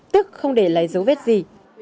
tức không để lấy dấu vết gì